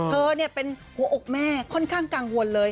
เธอเป็นหัวอกแม่ค่อนข้างกังวลเลย